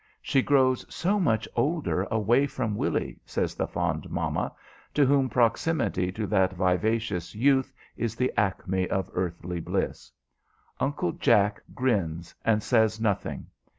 "She grows so much older away from Willy," says the fond mamma, to whom proximity to that vivacious youth is the acme of earthly bliss. Uncle Jack grins and says nothing.